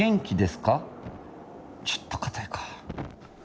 ちょっと硬いか。